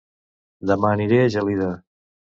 Dema aniré a Gelida